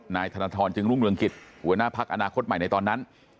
นายธนทรจึงรุ่งเรืองกิจหัวหน้าพักอนาคตใหม่ในตอนนั้น